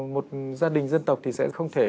một gia đình dân tộc thì sẽ không thể